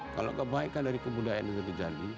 kalau kebaikan dari kebudayaan itu terjadi